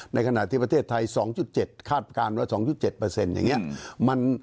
ในขณะที่ประเทศไทย๒๗คาดการณ์ว่า๒๗